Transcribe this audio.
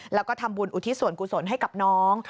แล้วก็ทำบุญอุทิศส่วนกุศลให้กับน้อง